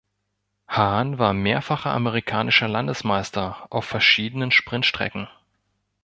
Hahn war mehrfacher amerikanischer Landesmeister auf verschiedenen Sprintstrecken.